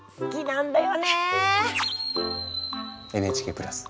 ＮＨＫプラス